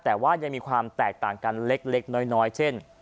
แต่ว่ายังมีความแตกต่างกันเล็กน้อยเช่น